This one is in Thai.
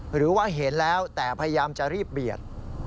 หรือว่าเห็นแล้วแต่พยายามจะรีบเบียด